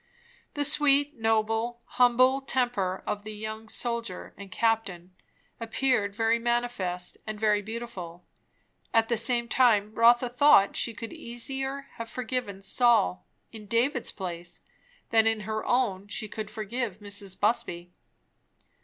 The sweet, noble, humble temper of the young soldier and captain, appeared very manifest and very beautiful; at the same time, Rotha thought she could easier have forgiven Saul, in David's place, than in her own she could forgive Mrs. Busby.